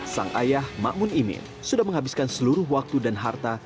sang ayah makmun imin sudah menghabiskan seluruh waktu dan harta